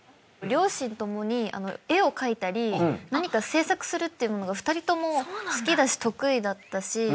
両親共に絵を描いたり何か制作するっていうのが２人とも好きだし得意だったし。